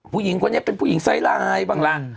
ผู้หญิงเขาเนี่ยเป็นผู้หญิงใส่ลายบางละ